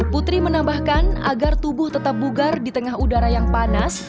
putri menambahkan agar tubuh tetap bugar di tengah udara yang panas